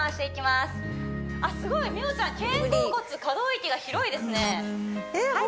すごい美桜ちゃん肩甲骨可動域が広いですねえっ